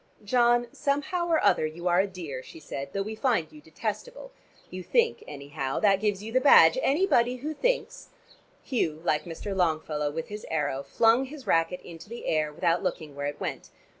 "John, somehow or other you are a dear," she said, "though we find you detestable. You think, anyhow. That gives you the badge. Anybody who thinks " Hugh, like Mr. Longfellow with his arrow, flung his racquet into the air, without looking where it went.